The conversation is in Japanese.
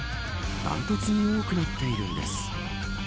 だんとつに多くなっているんです。